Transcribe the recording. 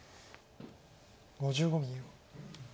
５５秒。